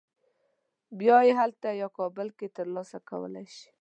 بیا یې هلته یا کابل کې تر لاسه کولی شې.